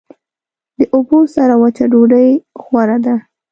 د اوبو سره وچه ډوډۍ غوره ده.